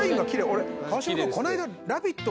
俺川島君この間「ラヴィット！」